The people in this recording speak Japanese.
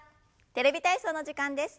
「テレビ体操」の時間です。